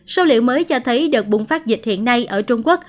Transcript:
số liệu mới cho thấy đợt bùng phát dịch hiện nay ở trung quốc